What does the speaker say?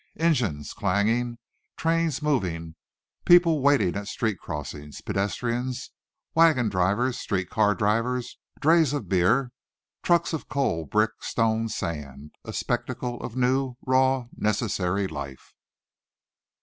Engines clanging, trains moving, people waiting at street crossings pedestrians, wagon drivers, street car drivers, drays of beer, trucks of coal, brick, stone, sand a spectacle of new, raw, necessary life!